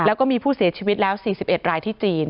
แล้วก็มีผู้เสียชีวิตแล้ว๔๑รายที่จีน